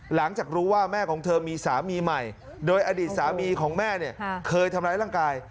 หลังจากรู้ว่าแม่ของเธอมีสามีใหม่โดยอดีตสามีของแม่เนี่ยเคยทำร้ายร่างกาย